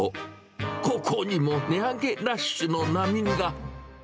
ここにも値上げラッシュの波が。